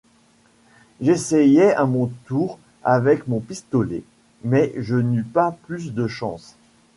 J'essayai à mon tour avec mon pistolet, mais je n'eus pas plus de chance.